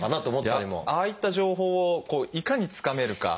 ああいった情報をいかにつかめるか。